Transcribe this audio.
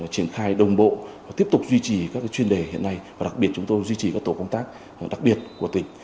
triển khai đồng bộ tiếp tục duy trì các chuyên đề hiện nay và đặc biệt chúng tôi duy trì các tổ công tác đặc biệt của tỉnh